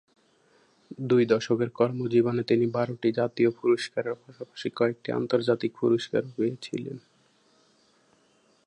দুই দশকের কর্মজীবনে তিনি বারোটি জাতীয় পুরস্কারের পাশাপাশি কয়েকটি আন্তর্জাতিক পুরস্কারও পেয়েছিলেন।